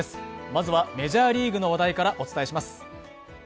まずはメジャーリーグの話題からお伝えします。